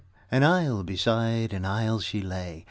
An isle beside an isle she lay.